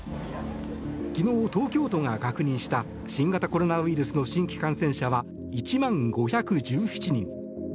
昨日、東京都が確認した新型コロナウイルスの新規感染者は１万５１７人。